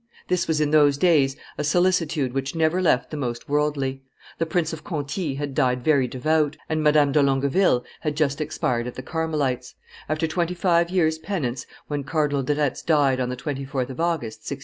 This was in those days a solicitude which never left the most worldly: the Prince of Conti had died very devout, and Madame de Longueville had just expired at the Carmelites', after twenty five years' penance, when Cardinal de Retz died on the 24th of August, 1679.